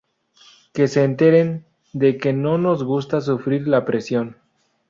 Que se enteren de que no nos gusta sufrir la presión